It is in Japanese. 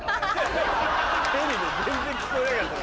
ヘリで全然聞こえなかった。